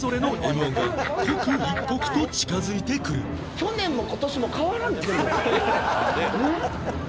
去年も今年も変わらんですよ。